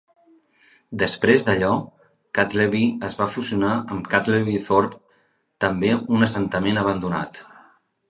Després d'allò, Kettleby es va fusionar amb Kettleby Thorpe, també un assentament abandonat.